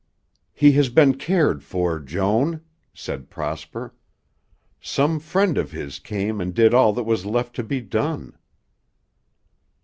"He has been cared for, Joan," said Prosper. "Some friend of his came and did all that was left to be done."